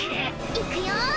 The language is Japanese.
いくよぉ！